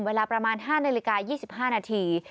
เวลาประมาณ๕นาฬิกา๒๕นาที